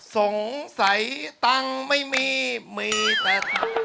สงสัยตังค์ไม่มีมีแต่